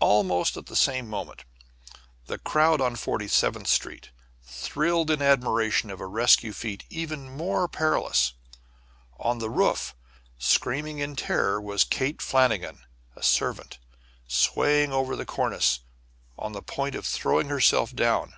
Almost at the same moment, the crowd on Forty seventh Street thrilled in admiration of a rescue feat even more perilous. On the roof, screaming in terror, was Kate Flannigan, a servant, swaying over the cornice, on the point of throwing herself down.